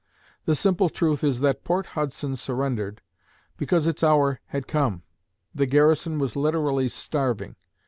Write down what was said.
The simple truth is that Port Hudson surrendered because its hour had come. The garrison was literally starving.